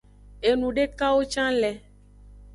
Enudekawo can le.